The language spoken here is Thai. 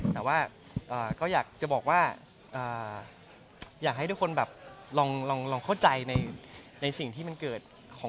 แต่ว่าก็อยากจะบอกว่าอยากให้ทุกคนแบบลองเข้าใจในสิ่งที่มันเกิดของ